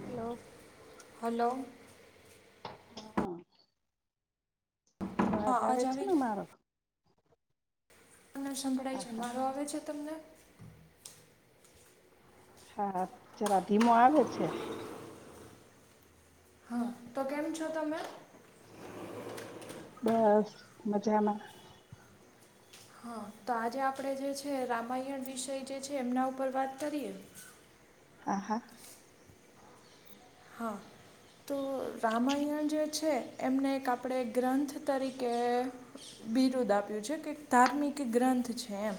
Hello. Hello હા હા. હા તોવાજ આવે અવાજ છે આવી ને મારો અને સંભળાય હા છે હા મારો આવે છે તમને હા જરા ધીમો આવેે છે હા તો કેમ છો તમે બસ મજામાં હા તો આજે આપણે જે છે, રામાયણ વિષય જે છે એમના ઉપર વાત કરીએ. હ હા હા તો રામાયણ જે છે એમને એક આપણે ગ્રંથ તરીકે બિરુદ આપ્યું છે કે ધાર્મિક ગ્રંથ છે એમ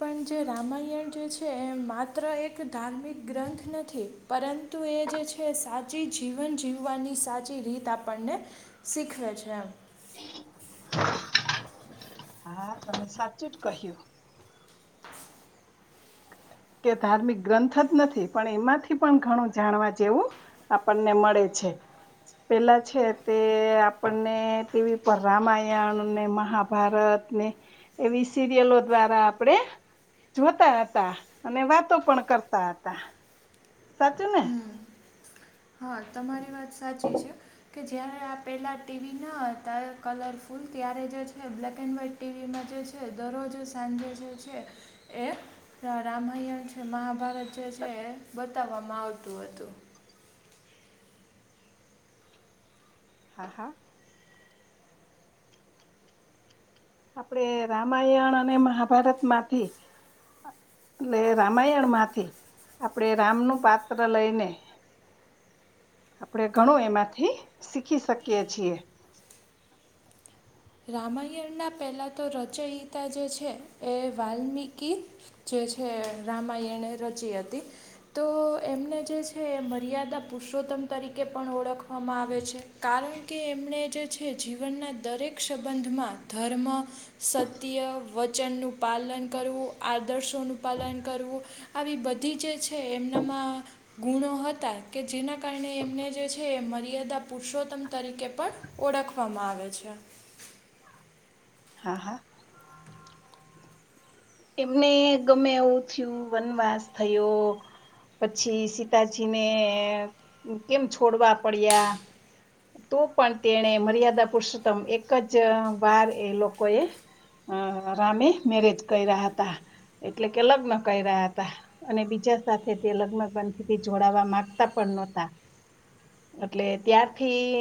પણ જે રામાયણ જે છે એ માત્ર એક ધાર્મિક ગ્રંથ નથી પરંતુ એ જે છે છે સાચી જીવન જીવવાની સાચી રીત આપણને શીખવે છે એમ. હા તમે સાચું જ કહ્યું. કે ધાર્મિક ગ્રંથ જ નથી પણ એમાંથી પણ ઘણું જાણવા જેવું આપણને મળે છે પેલા છે તે આપણને ટીવી પર રામાયણ અનેને મહાભારત એવી સિરિયલો દ્વારા આપડે જોતા હતા અને વાતો પણ કરતા હતા સાચું ને હમ્મ હા તમારી વાત સાચી છે કે જારે આ પેલા ટીવી ના હતા કલરફુલ ત્યારે જે છે બ્લેક એન્ડ વ્હાઈટ ટીવીમાં જે છે દરરોજ સાંજે જે છે એ રામાયણ છે મહાભારત જે છે એ બતાવવામાં આવત ું હતું હા હા આપણેે રામાયણ અને મહાભારત માંથી એટલે રામાયણ માંથી આપણે રામનું પાત્ર લઈને આપણેે ઘણું એમાંથી શીખી શકીએ છીએ રામાયણના પહેલા તો રચયિતા જે છે એ વાલ્મકી જે છે રામાયણે રચી હતી તો એમને જે છે મર્યાદા પુરષોત્તમ તરીકે પણ ઓળખવામાં આવે છે કારણ કે એમણે જે છે જીવનના દરેક સંબંધમાં ધર્મ સત્ય વચન નું પાલન કરવું આદર્શોનું પાલન કરવું આવી બધી જે છે એમનામાં ગુણો હતા કે જેના કારણે એમને જે છે એ મર્યાદા પુરુષોત્તમ તરીકે પણ ઓળખવામાં આવે છે હા હા એમને ગમે એવું થયું વનવાસ થયો પછી સીતાજીને કેમ છોડવા પડ્યા તો પણ તેને મર્યાદા પુરુષોત્તમ એક જ વાર એ લોકો એ અ રામે મેરેજ કર્યા હતા એટલે કે લગ્ન કર્યા હતા અને બીજા સાથે તે લગ્નગંથીથી જોડાવા માંગતા પણ નોતા એટલે ત્યારથી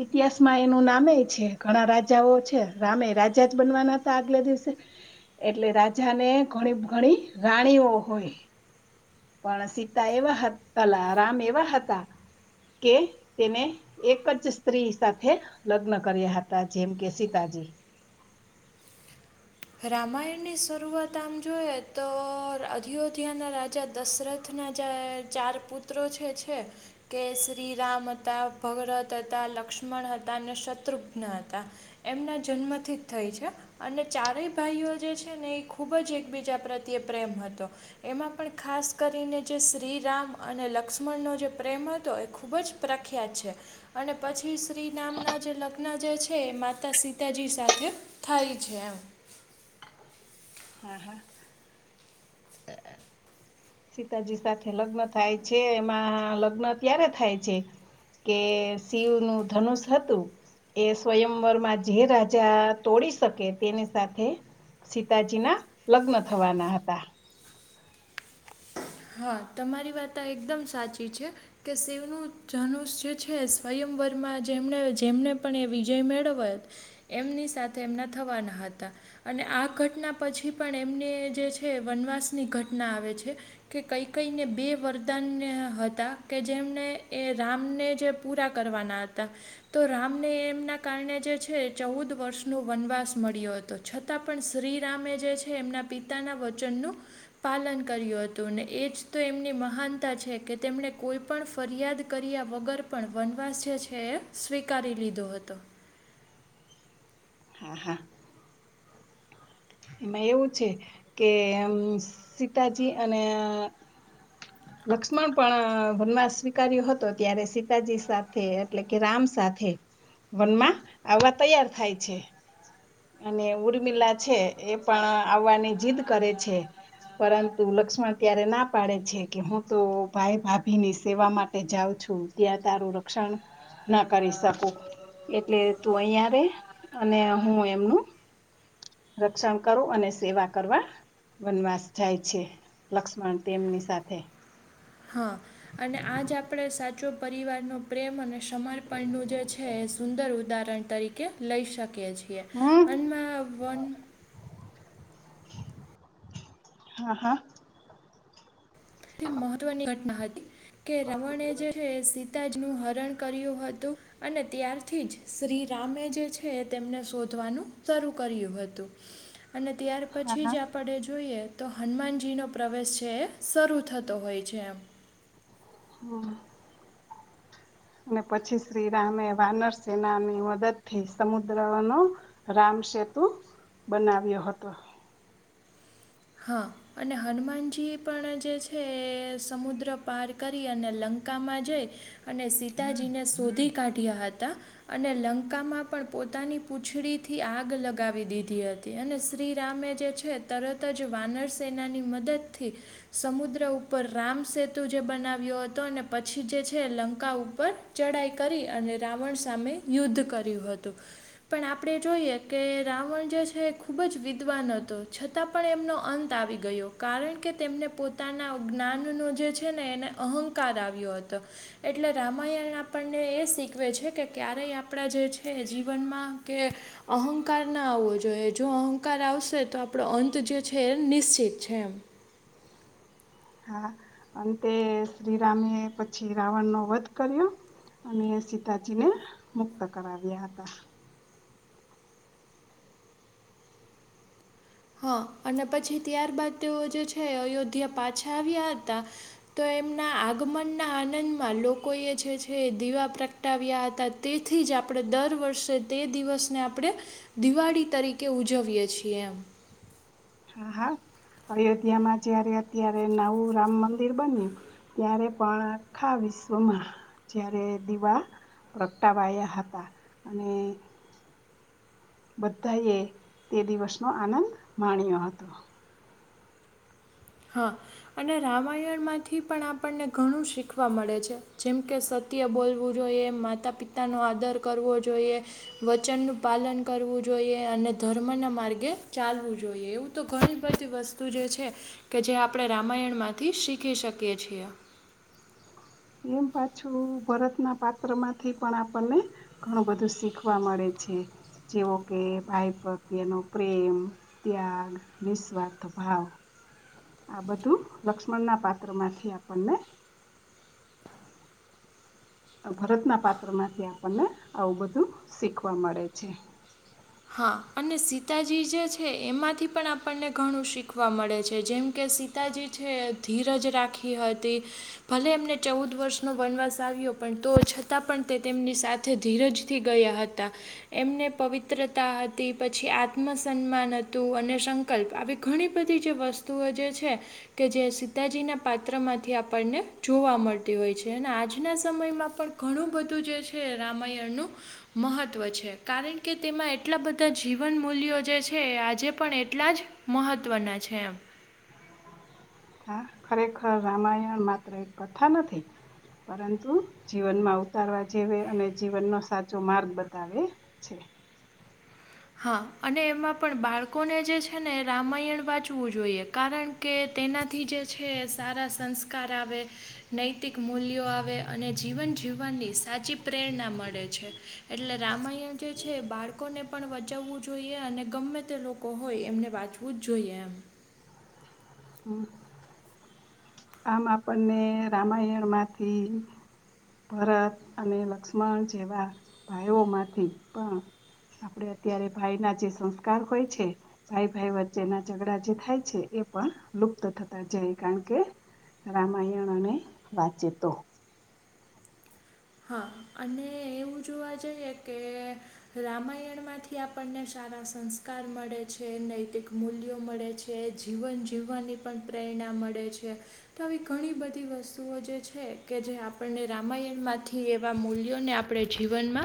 ઈતિહાસમાં એનું નામે છે ઘણા રાજાઓ છે રામે રાજા જ બનવાના હતા આગલા દિવસે એટલે રાજા ને ઘણી ઘણી રાણીઓ હોય પણ સીતા એ [inaudible] રામ એવા હતા કે તેને એક જ સ્ત્રી સાથે લગ્ન કર્યા હતા જેમ કે સીતાજી રામાયણની શરૂઆત આમ જોએ તો અયોધ્યાના રાજા દશરથ [unintelligible] ના ચાર પુત્રો છે છે કે શ્રીરામ હતા ભગરથ હતા લક્ષ્મણ હતા અને શત્રુઘ્ન હતા એમના જન્મથી જ થઈ છે અને ચારેય ભાઈઓ જે છે ને એ ખૂબ જ એકબીજા પ્રત્યે પ્રેમ હતો એમાં પણ ખાસ કરીને જે શ્રીરામ અને લક્ષ્મણનો જે પ્રેમ હતો એ ખૂબ જ પ્રખ્યાત છે અને પછી શ્રી રામ ના જે લગ્ન જે છે એ માતા સિતા સીતા જી સાથે થાય છે એમ હા હા સીતાજી સાથે લગ્ન થાય છે એમાં લગ્ન ત્યારે થાય છે કે શિવ નું ધનુષ હતું એ સ્વયંવરમાં જે રાજા તોડી શકે તેની સાથે સીતાજી ના લગ્ન થવાના હતા હા તમારી વાત આ એકદમ સાચી છે કે શિવનું ધનુષ જે છે સ્વયંવરમાં જેમને જેમને પણ એ વિજય મેળવય એમની સાથે એમના થવાના હતા અને આ ઘટના પછી પણ એમને જે છે વનવાસની ઘટના આવે છે કે કંઈ કઈને બે વરદાન હતા ને કે જેમને એ રામને જે પૂરા કરવાના હતા તો રામને એમના કારણે જે છે ચૌદ વર્ષ નો વનવાસ મળ્યો હતો તો છતાં પણ શ્રીરામે જે છે એમના પિતાના વચનનું પાલન કર્યું હતું તો એ જ તો એમની મહાનતા છે કે તેમણે કોઈ પણ ફરિયાદ કર્યા વગર પણ વનવાસ જે છે એ સ્વીકારી લીધો હતો હા હા! એમાં એવું છે. કે સીતાજી અને. લક્ષ્મણ પણ વનવાસ સ્વીકાર્યો હતો. ત્યારે સીતાજી સાથે, એટલે કે રામ સાથે. વનમાં આવા તૈયાર થાય છે. અને ઉર્મિલા છે, એ પણ આવવાની જીદ કરે છે. પરંતુ લક્ષ્મણ ત્યારે ના પાડે છે. કે હું તો ભાઈ ભાભી ની સેવા માટે જાઉં છું. ત્યાં તારું રક્ષણ ન કરી શકું. એટલે તું અહીંયા રરહે, અને હું એમનું. રક્ષણ કરુ, અને સેવા કરવા. વનવાસ જાય છે. લક્ષ્મણ તેમની સાથે. હા! અને આજ આપણે સાચો પરિવારનો. પ્રેમ અને સમર્પણનું જે છે. એ સુંદર ઉદાહરણ તરીકે લઈ શકીએ છેએ. હમ [unintelligible] હા હા! સથી મહત્વની ઘટના હતી. કે રામાયણ જે છે, સીતાજીનું હરણ કર્યું હતું. અને ત્યારથી જ શ્રી રામે જે છે, તેમને શોધવાનું શરૂ કર્યું હતું. અને ત્યાર. પછી જ આપણે જોઈએ, તો હનુમાનજી નો પ્રવેશ છે એ શરૂ થતો હોય છે એમ. હમ! અને પછી, શ્રી રામે વાનર સેનાની મદદ થી સમુદ્રનો. રામ સેતુ બનાવ્યો હતો. હા! અને હનુમાનજી પણ જે છે, એ સમુદ્ર પાર કરી, અને લંકામાં જઈ. અને સીતાજીને શોધી કાઢ્યા હતા. અને લંકામાં પણ પોતાની પૂંછડીથી આગ લગાવી દીધી હતી. અને શ્રીરામે જે. છે તરત જ વાનર સેનાની મદદથી. સમુદ્ર ઉપર રામ સેતુ જે બનાવ્યો હતો. અને પછી જે છે લંકા ઉપર. ચઢાઈ કરી. અને રાવણ સામે યુદ્ધ કર્યું હતું. પણ આપણે જોઈએ કે, રાવણ જે છે એ ખૂબ જ વિદ્વાન હતો. છતાં પણ એમનો અંત આવી ગયો. કારણ કે તેમને પોતાના જ્ઞાનનો જે છે ને એને. અહંકાર આવ્યો હતો. એટલે રામાયણ આપણને એ શીખવે છે. કે ક્યારેય આપણા જે છે જીવનમાં કે. અહંકાર ના આવવો જોઈએ. જો અહંકાર આવશે તો આપડો અ. જે છે નિશ્ચિત છે એ. હા! અંતે શ્રીરામે પછી, રાવણ નો વધ કર્યો. અને સીતાજીને મુક્ત કરાવ્યા હતા. હા! અને પછી ત્યાર બાાદ તેઓ જે છે. અયોધ્યા પાછા આવ્યા હતા. તો એમના આગમન ના આનંદમાં, લોકો એ જે છે દીવા પ્ર. અટાવ્યા હતા. તેથી જ આપણે દર વર્ષે તે દિવસને આપણે.. દિવાળી તરીકે ઉજવીએ છીએ એમ. હા હા! અયોધ્યામાં જયારે અત્યારે નવું રામ મંદિર બન્યું. ત્યારે પણ આખા વિશ્વમાં જારે દીવા. પ્રગટાવાયા હતા. અને બધા એ તે દિવસ નો આનંદ માણ્યો હતો. હા! અને રામાયણમાંથી પણ આપણને ઘણું શીખવા મળે છે. જેમકે સત સત્ય બોલવું જોઈએ. માતા પિતાનો આદર કરવો જોઈએ. વચનનુંું પાલન કરવું જોઈએ. અને ધર્મના માર્ગે ચાલવું જોઈએ. એવું તો ઘણી બધી વસ્તુ જે છે. કે જે આપણે રામાયણમાંથી શીખી શકીએ છીએ. એમ પાછું ભરતના પાત્ર માંથી પણ આપણને. ઘણું બધું શીખવા મળે છે. જેવો કે ભાઈ પ્રત્યનો પ્રેમ. ત્યાગ, નિસ્વાર્થ ભાવ, આ બધું લક્ષ્મણના પાત્રમાંથી આપણને ભરતના પાત્રમાંથી આપણને આવું બધું શીખવા મળે છે. હા અને સીતાજી જે છે એમાંથી પણ આપણને ઘણું શીખવા મળે છે જેમ કે સી તા જે છે ધીરજ રાખી હતી, ભલે એમને ચૌદ વર્ષનો વનવાસ આવ્યો પણ તો છતાં પણ તે તેમની સાથે સાથે ધીરજથી ગયા હતા, એમને પવ્રિ -ત્રતા હતી પછી આત્મસન્માન હતુ, અને સંકલ્પ આવી ઘણી બધી જે વસ્તુ વસ્તુઓ જે છે. કે જે સીતાજીના પાત્રમાંથી આપણને જોવા મળતી હોય છે, અને આજના સમયમાં પણ ઘણું બધું જે છે રામાયણનું મહત્વ છે, કારણ કે તેમાં એટલા બધા જીવન મૂલ્યો જે છે એ આજે પણ એટલા જ મહત્ત્વના છે, એમ હા ખરેખર રામાયણ માત્ર એક કથા નથી, પરંતુ જીવનમાં ઉતારવા જેવે, અને જીવનનો સાચો માર્ગ બતાવે છે. હા અને એમાં પણ બાળકોને જે છને, એ રામાયણ વાંચવું જોઈએ કારણ કે તેનાથી જે છે, સારા સંસ્કાર આવે નૈતિક મૂલ્યો આવે અને જીવન જીવવાનની, સાચી પ્રેરણા મળે છે. એટલે રામાયણ જે છે, બાળકોને પણ વચવવું જોઈએ અને ગમે તે લોકો હોય, એમને વાંચવું જ જોઈએ એમ હમ્મ આમ આપણને રામાયણમાંથી ભરત અને લક્ષ્મણ જેવા ભાઈઓમાંથી પણ આપડે અત્યારે ભાઈના જે સંસ્કાર હોય છે. ભાઈ ભાઈ વચ્ચેના ઝઘડા જે થાય છે, એ પણ લુપ્ત થતા જાય કારણ કે રામાયણ અને વાંચીતો હા અને એવું જોવા જઈએ, કે રામાયણમાંથી આપણને સારા સંસ્કાર મળે છે, નૈતિક મૂલ્યો મળે છે. જે જીવન જીવવાની પણ પ્રેરણા મળે છે‌. તો આવી ઘણી બધી વસ્તુઓ જે છે, કે જે આપણને રામાયણ માંથી એવા મૂલ્યોને આપણે જીવનમા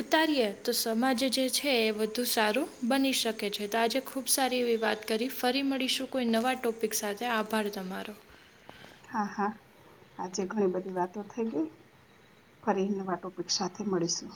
ઉતારીએ તો સમાજ જે છે, એ વધુ સારું બની શકે છે, તો આજે ખૂબ સારી એવી વાત કરી ફરી મળીશું કોઈ નવા ટોપિક સાથે આભાર તમારો હા હા આજે ઘણી બધી વાતો થઈ ગઈ. ફરીને વાટોપિકક્ષા મળીશુ